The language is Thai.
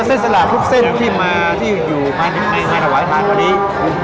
แล้วเส้นสลากทุกเส้นที่มาที่อยู่ในหวายทานพอดี